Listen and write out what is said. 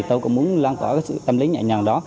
tôi cũng muốn lan tỏa cái sự tâm lý nhẹ nhàng đó